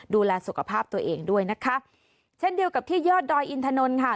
ดูแลสุขภาพตัวเองด้วยนะคะเช่นเดียวกับที่ยอดดอยอินทนนท์ค่ะ